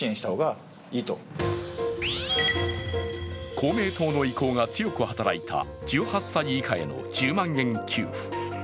公明党の意向が強く働いた１８歳以下への１０万円給付。